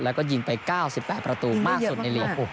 แล้วก็ยิงไป๙๘ประตูมากสุดในลีก